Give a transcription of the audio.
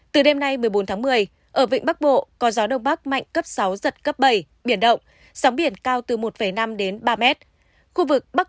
từ đêm nay một mươi bốn tháng một mươi ở vịnh bắc bộ có gió đông bắc mạnh cấp sáu giật cấp bảy